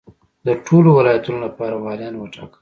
د ټولو ولایتونو لپاره والیان وټاکل.